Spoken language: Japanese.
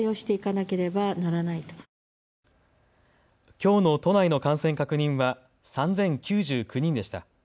きょうの都内の感染確認は３０９９人でした。